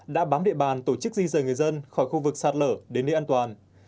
đã bám địa bàn tổ chức di rời người dân khỏi khu vực sạt lở đến nơi an toàn